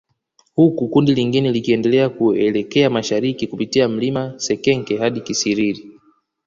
Huku kundi lingine likiendelea kuelekea mashariki kupitia mlima Sekenke hadi Kisiriri